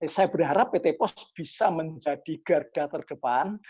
saya berharap pt pos bisa menjadi garda terdepan